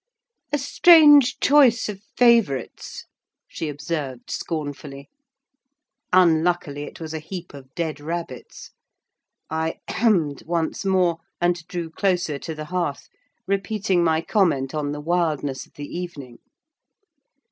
"A strange choice of favourites!" she observed scornfully. Unluckily, it was a heap of dead rabbits. I hemmed once more, and drew closer to the hearth, repeating my comment on the wildness of the evening.